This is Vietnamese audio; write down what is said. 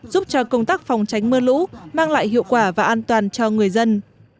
giúp cho công tác phòng tránh mưa lũ mang lại hiệu quả và an toàn cho người dân